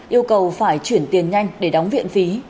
yêu cầu phải chuyển tiền nhanh để đóng viện phí